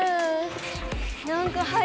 なんかはいてる。